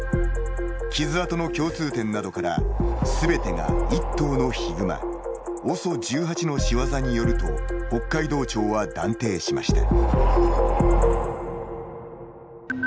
傷痕の共通点などからすべてが一頭のヒグマＯＳＯ１８の仕業によると北海道庁は断定しました。